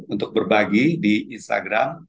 untuk berbagi di instagram